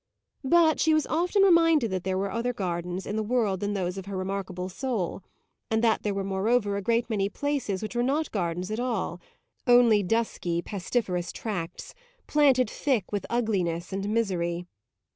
But she was often reminded that there were other gardens in the world than those of her remarkable soul, and that there were moreover a great many places which were not gardens at all only dusky pestiferous tracts, planted thick with ugliness and misery.